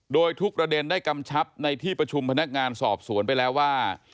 โดยทุกประเด็นได้กำชับในที่ประชุมพนักงานสอบสวนไปแล้วว่า